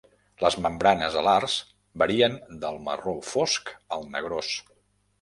Les membranes alars varien del marró fosc al negrós.